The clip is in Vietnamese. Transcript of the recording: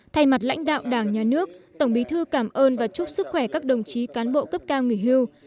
thay mặt lãnh đạo đảng nhà nước tổng bí thư cảm ơn và chúc sức khỏe các đồng chí cán bộ cấp cao nghỉ hưu